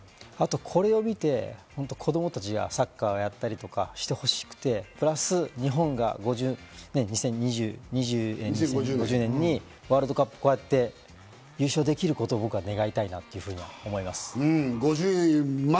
これを見た子供たちがサッカーをしてほしくなってほしくて、プラス日本が２０５０年にワールドカップ、こうやって優勝できることを僕は願いたいなって思います。